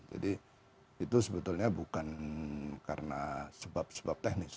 jadi itu sebetulnya bukan karena sebab sebab teknis